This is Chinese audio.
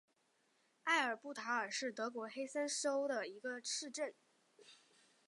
埃尔布塔尔是德国黑森州的一个市镇。